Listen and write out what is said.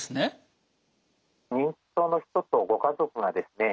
認知症の人とご家族がですね